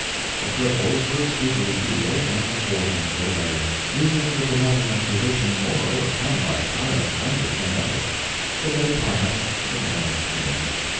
The cripples were speedily healed, and the four went their way, leaving the benevolent physician more overcome by pious wonder than ever. The day passed, the morning came.